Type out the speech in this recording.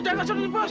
jangan serius bos